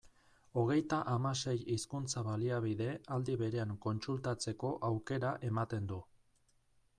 Hogeita hamasei hizkuntza-baliabide aldi berean kontsultatzeko aukera ematen du.